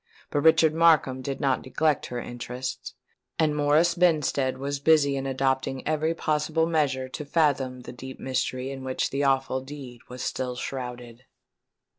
But Richard Markham did not neglect her interests; and Morris Benstead was busy in adopting every possible measure to fathom the deep mystery in which the awful deed was still shrouded.